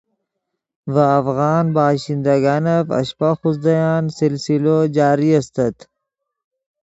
ڤے افغان باشندگانف اشپہ خوزدَیان سلسلو جاری استت